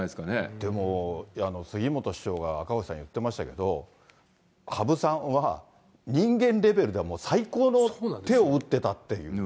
でも、杉本師匠が、赤星さん、言ってましたけど、羽生さんは、人間レベルではもう最高の手を打ってたっていう。